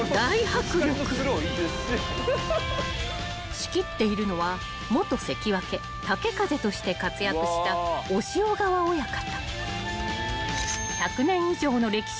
［仕切っているのは元関脇豪風として活躍した押尾川親方］